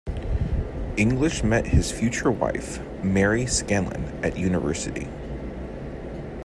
English met his future wife, Mary Scanlon, at university.